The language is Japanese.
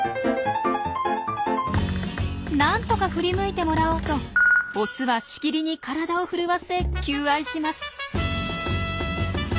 なんとか振り向いてもらおうとオスはしきりに体を震わせ求愛します。